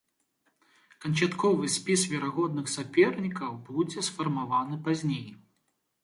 Канчатковы спіс верагодных сапернікаў будзе сфармаваны пазней.